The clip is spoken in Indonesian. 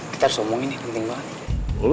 kita harus omongin nih penting banget